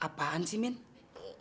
apaan sih mimin